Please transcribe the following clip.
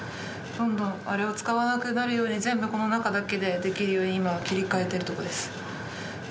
どんどんあれを使わなくなるように、全部、この中だけでできるように今、切り替えてるとこです。